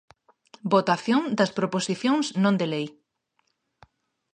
Votación das proposicións non de lei.